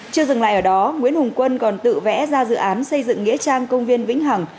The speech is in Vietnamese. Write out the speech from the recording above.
chưa dừng lại ở đó nguyễn hùng quân còn tự vẽ ra dự án xây dựng nghĩa trang công viên vĩnh hằng